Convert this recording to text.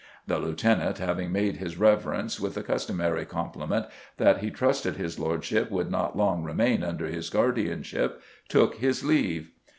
The lieutenant, having made his reverence with the customary compliment that 'He trusted his lordship would not long remain under his guardianship,' took his leave....